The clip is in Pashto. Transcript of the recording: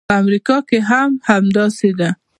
په امریکا کې هم همداسې ده.